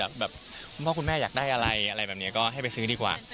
แบบคุณพ่อคุณแม่อยากได้อะไรอะไรแบบนี้ก็ให้ไปซื้อดีกว่า